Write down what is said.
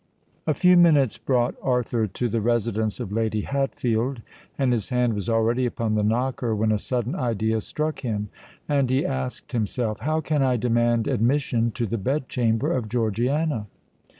A few minutes brought Arthur to the residence of Lady Hatfield; and his hand was already upon the knocker, when a sudden idea struck him—and he asked himself, "How can I demand admission to the bed chamber of Georgiana?"